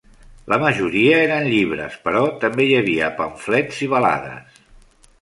La majoria eren llibres, però també hi havia pamflets i balades.